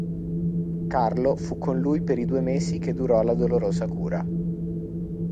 Carlo fu con lui per i due mesi che durò la dolorosa cura.